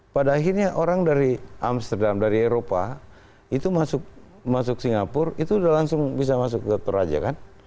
pada akhirnya orang dari amsterdam dari eropa itu masuk singapura itu sudah langsung bisa masuk ke toraja kan